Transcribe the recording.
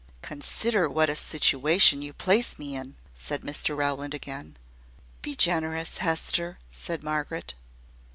"Consider what a situation you place me in!" said Mr Rowland again. "Be generous, Hester!" said Margaret.